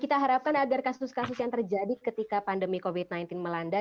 kita harapkan agar kasus kasus yang terjadi ketika pandemi covid sembilan belas melanda